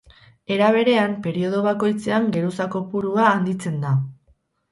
Era berean periodo bakoitzean geruza kopurua handitzen da.